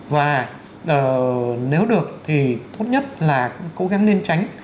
và nếu được thì tốt nhất là cố gắng nên tránh